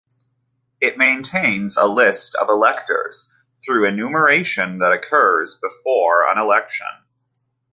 It maintains a list of electors, through enumeration that occurs before an election.